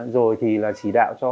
rồi thì là chỉ đạo cho